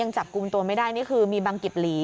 จับกลุ่มตัวไม่ได้นี่คือมีบังกิบหลี